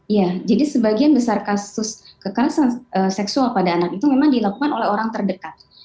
ya jadi sebagian besar kasus kekerasan seksual pada anak itu memang dilakukan oleh orang terdekat